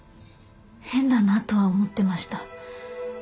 変だなとは思ってました。